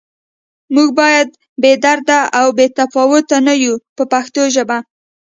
موږ باید بې درده او بې تفاوته نه یو په پښتو ژبه.